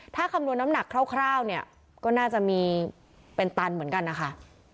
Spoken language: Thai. ถ้าคำนวณน้ำหนักคร่าวเนี่ยก็น่าจะมีเป็นตันเหมือนกันนะคะ